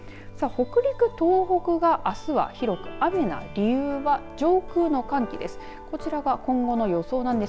北陸東北があすは広く雨な理由は上空の寒気です。